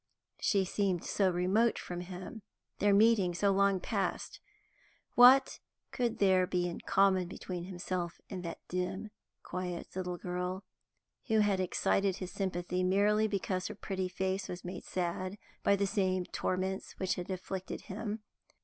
She seemed so remote from him, their meeting so long past. What could there be in common between himself and that dim, quiet little girl, who had excited his sympathy merely because her pretty face was made sad by the same torments which had afflicted him?